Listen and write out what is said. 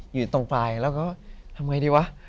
อยู่ตรงปลายแล้วก็ทำไงดีวะ